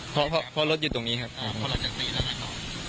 เพราะเพราะเพราะรถอยู่ตรงนี้ครับอ่าเพราะแล้วจะตีแล้วไงต่อ